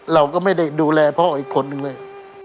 เราก็ไม่ได้ดูแลพ่ออีกคนนึงเลย